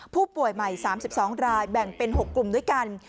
ผู้ป่วยใหม่๓๒รายแบ่งเป็น๖กลุ่มด้วยกัน